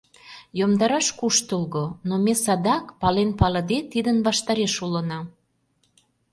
Йомдараш куштылго, но ме садак, пален-палыде, тидын ваштареш улына.